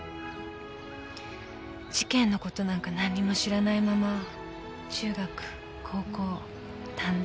事件のことなんか何にも知らないまま中学高校短大